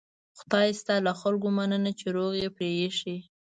خدای شته له خلکو مننه چې روغ یې پرېښي.